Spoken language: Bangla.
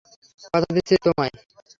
কথা দিচ্ছি তোমায়!